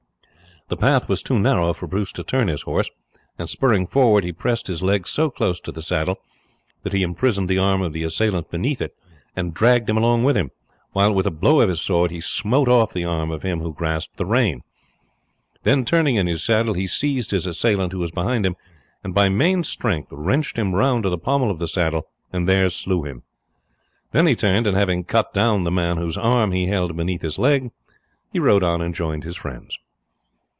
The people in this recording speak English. The path was too narrow for Bruce to turn his horse, and spurring forward he pressed his leg so close to the saddle that he imprisoned the arm of the assailant beneath it and dragged him along with him, while with a blow of his sword he smote off the arm of him who grasped the rein. Then, turning in his saddle, he seized his assailant who was behind him and by main strength wrenched him round to the pommel of the saddle and there slew him. Then he turned and having cut down the man whose arm he held beneath his leg, he rode on and joined his friends.